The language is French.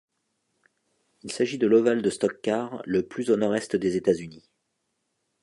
Il s'agit de l'ovale de stock-car le plus au nord-est des États-Unis.